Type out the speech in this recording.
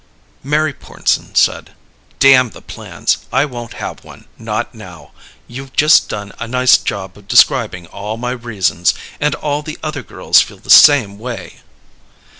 Mary Pornsen said, "Damn the plans. I won't have one. Not now. You've just done a nice job of describing all my reasons. And all the other girls feel the same way."